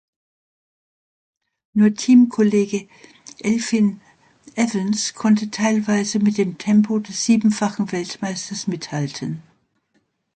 Nur Teamkollege Elfyn Evans konnte teilweise mit dem Tempo des siebenfachen Weltmeisters mithalten.